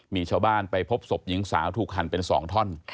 มีชาวบ้านไปพบศพหญิงสาวถูกหั่นเป็น๒ท่อน